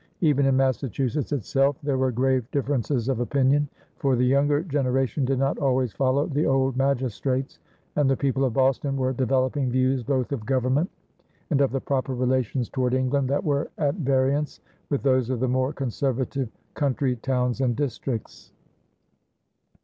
Even in Massachusetts itself there were grave differences of opinion, for the younger generation did not always follow the old magistrates, and the people of Boston were developing views both of government and of the proper relations toward England that were at variance with those of the more conservative country towns and districts.